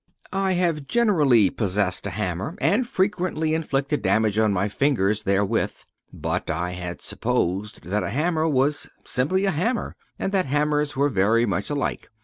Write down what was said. I have generally possessed a hammer, and frequently inflicted damage on my fingers therewith, but I had supposed that a hammer was simply a hammer, and that hammers were very much alike.